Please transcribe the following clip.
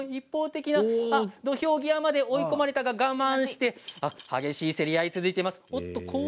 土俵際まで追い込まれましたが我慢して激しい競り合いが続いています。